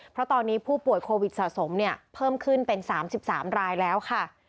เพราะตอนนี้ผู้ป่วยโควิดสะสมเนี่ยเพิ่มขึ้นเป็น๓๓รายแล้วค่ะ